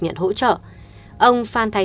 nhận hỗ trợ ông phan thái